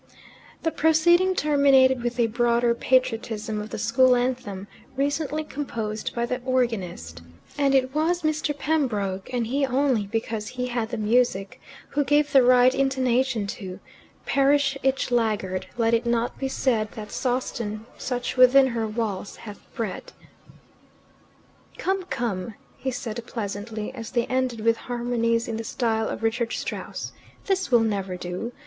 The proceeding terminated with the broader patriotism of the school anthem, recently composed by the organist. Words and tune were still a matter for taste, and it was Mr. Pembroke (and he only because he had the music) who gave the right intonation to "Perish each laggard! Let it not be said That Sawston such within her walls hath bred." "Come, come," he said pleasantly, as they ended with harmonies in the style of Richard Strauss. "This will never do.